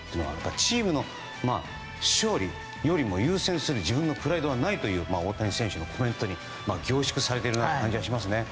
チームの勝利よりも優先する自分のプライドはないという大谷選手のコメントに凝縮されている感じがしますね。